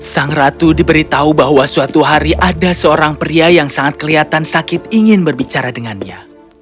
sang ratu diberitahu bahwa suatu hari ada seorang pria yang sangat kelihatan sakit ingin berbicara dengannya